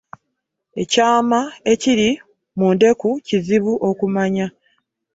Ekyama ekiri mu ndeku kizibu okumanya.